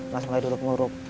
langsung lagi duduk ngurup